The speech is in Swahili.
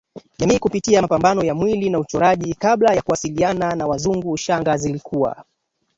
jamii kupitia mapambo ya mwili na uchoraji Kabla ya kuwasiliana na Wazungu shanga zilikuwa